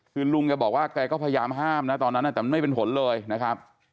คือลุงแกบอกว่าแกก็พยายามห้ามนะตอนนั้นแต่มันไม่เป็นผลเลยนะครับ